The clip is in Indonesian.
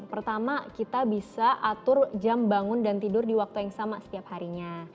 pertama kita bisa atur jam bangun dan tidur di waktu yang sama setiap harinya